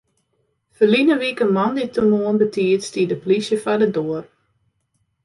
Ferline wike moandeitemoarn betiid stie de plysje foar de doar.